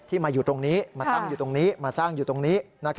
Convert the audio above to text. มาอยู่ตรงนี้มาตั้งอยู่ตรงนี้มาสร้างอยู่ตรงนี้